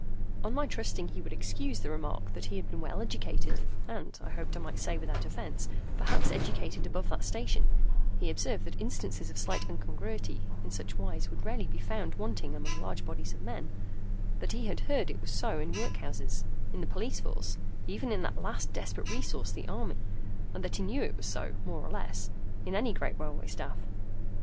On my trusting that he would excuse the remark that he had been well educated, and (I hoped I might say without offence) perhaps educated above that station, he observed that instances of slight incongruity in such wise would rarely be found wanting among large bodies of men; that he had heard it was so in workhouses, in the police force, even in that last desperate resource, the army; and that he knew it was so, more or less, in any great railway staff.